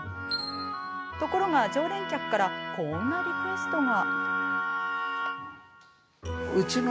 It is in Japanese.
ところが、常連客からこんなリクエストが。